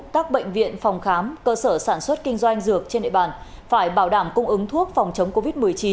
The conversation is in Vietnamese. các bệnh viện phòng khám cơ sở sản xuất kinh doanh dược trên địa bàn phải bảo đảm cung ứng thuốc phòng chống covid một mươi chín